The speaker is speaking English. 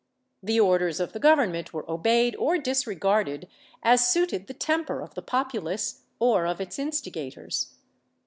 The orders of the Government were obeyed or disregarded as suited the temper of the populace or of its instigators.